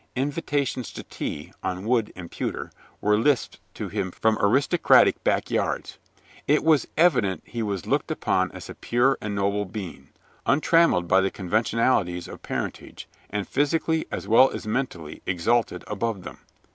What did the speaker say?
Invitations to tea (on wood and pewter) were lisped to him from aristocratic back yards. It was evident he was looked upon as a pure and noble being, untrammelled by the conventionalities of parentage, and physically as well as mentally exalted above them.